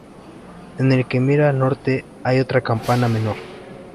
En el que mira al norte hay otra campana menor.